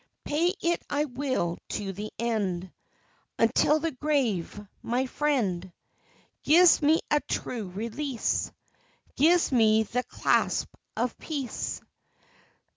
Pay it I will to the end Until the grave, my friend, Gives me a true release Gives me the clasp of peace.